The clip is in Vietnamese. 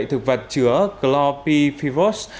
thực vật chứa chlorpipirose